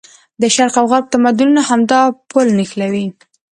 د شرق او غرب تمدونونه همدا پل نښلوي.